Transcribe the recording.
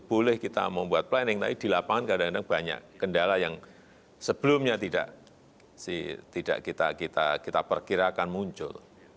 boleh kita membuat planning tapi di lapangan kadang kadang banyak kendala yang sebelumnya tidak kita perkirakan muncul